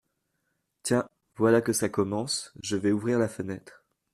Tiens ! voilà que ça commence… je vais ouvrir la fenêtre…